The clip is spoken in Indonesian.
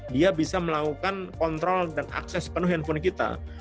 dia bisa melakukan kontrol dan akses penuh handphone kita